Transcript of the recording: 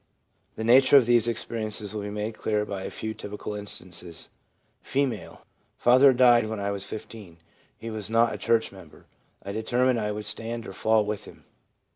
The nature of these experiences will be made clear by a few typical instances: F. i Father died when I was 15. He was not a church member. I determined I would stand or fall with him.